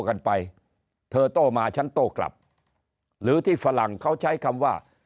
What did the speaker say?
กันไปเธอโต้มาฉันโต้กลับหรือที่ฝรั่งเขาใช้คำว่า